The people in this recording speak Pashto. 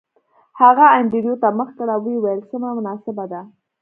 هغه انډریو ته مخ کړ او ویې ویل څومره مناسبه ده